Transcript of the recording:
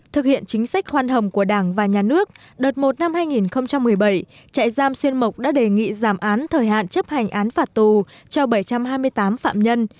thực hiện chính sách khoan hồng của đảng và nhà nước đợt một năm hai nghìn một mươi bảy trại giam xuyên mộc đã đề nghị giảm án thời hạn chấp hành án phạt tù cho bảy trăm hai mươi tám phạm nhân